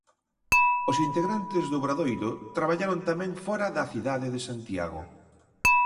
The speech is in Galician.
Os integrantes do obradoiro traballaron tamén fóra da cidade de Santiago.